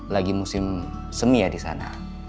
lagi musim semi ya disana